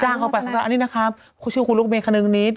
จ่างเข้าไปอันนี้นะครับเขาชื่อคุณลูกเมย์คะนึงนิท